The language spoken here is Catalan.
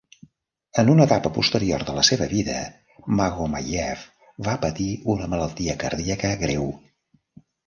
En una etapa posterior de la seva vida, Magomayev va patir una malaltia cardíaca greu.